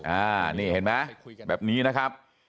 อ่านี่เห็นไหมแบบนี้นะครับ